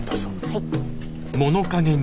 はい。